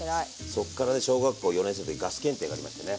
そっからね小学校４年生の時にガス検定がありましてね。